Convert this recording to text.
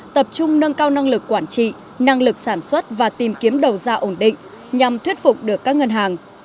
tập trung nâng cao năng lực quản trị năng lực sản xuất và tìm kiếm đầu ra ổn định nhằm thuyết phục được các ngân hàng